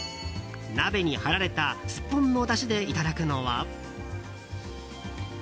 鍋に張られたスッポンのだしでいただくのは。